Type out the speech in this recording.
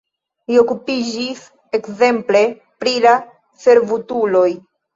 Li okupiĝis ekzemple pri la servutuloj.